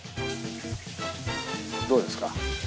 どうですか？